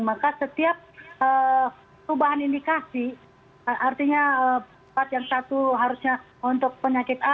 maka setiap perubahan indikasi artinya empat yang satu harusnya untuk penyakit a